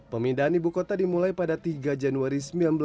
pemindahan ibu kota dimulai pada tiga januari seribu sembilan ratus empat puluh